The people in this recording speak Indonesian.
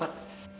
ya ada apa